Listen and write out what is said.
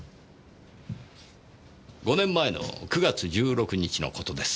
５年前の９月１６日のことです。